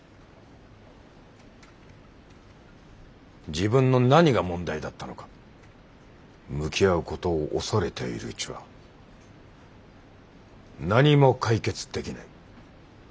自分の何が問題だったのか向き合うことを恐れているうちは何も解決できない。